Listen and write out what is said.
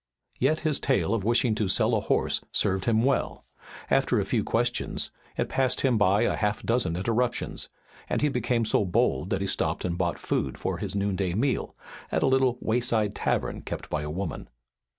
Yet his tale of wishing to sell a horse served him well. After a few questions, it passed him by a half dozen interruptions, and he became so bold that he stopped and bought food for his noon day meal at a little wayside tavern kept by a woman.